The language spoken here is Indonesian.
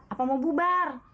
apa mau bubar